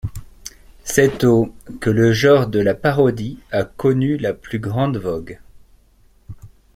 C’est au que le genre de la parodie a connu la plus grande vogue.